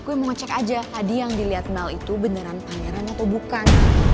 gue mau ngecek aja hadiah yang dilihat mel itu beneran pangeran atau bukan